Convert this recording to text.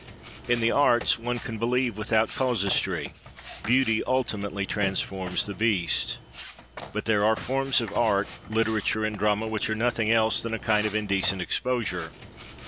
In the arts, one can believe without casuistry, beauty ultimately transforms the beast. But there are forms of art, literature and drama which are nothing else than a kind of indecent exposure.